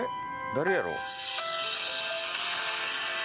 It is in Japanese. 誰やろ。